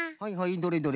どれどれ？